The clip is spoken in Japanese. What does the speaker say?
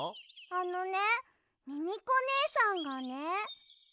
あのねミミコねえさんがね。